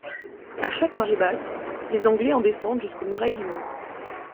À chaque marée basse, les Anglais en descendent jusqu'aux murailles du Mont.